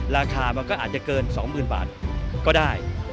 ราคามันก็อาจจะเกินสองหมื่นบาทก็ได้